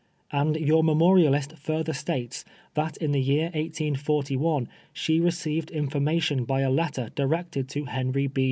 And your memorialist further states, that in the year 1841 she received information by a letter directed to Henry B.